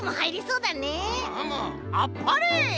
うむうむあっぱれ！